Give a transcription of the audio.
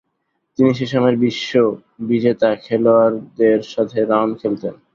তিনি সেসময়ের বিশ্ববিজেতা খেলোয়াড়দের সাথে রাউন্ড খেলতেন।